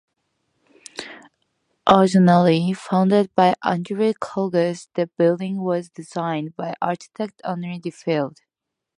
Originally funded by Andrew Carnegie, the building was designed by architect Henry D. Whitfield.